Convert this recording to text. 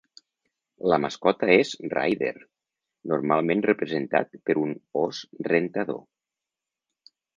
La mascota és Raider, normalment representat per un os rentador.